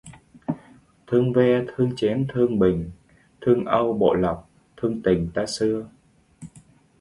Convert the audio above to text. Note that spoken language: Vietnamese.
Thương ve thương chén thương bình, thương âu bột lọc, thương tình ta xưa